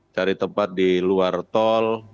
cari tempat di luar tol